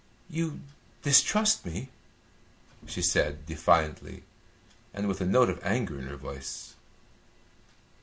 "You distrust me?" she said defiantly, and with a note of anger in her voice.